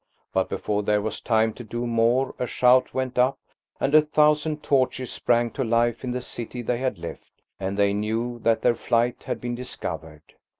But before there was time to do more a shout went up, and a thousand torches sprang to life in the city they had left, and they knew that their flight had been discovered.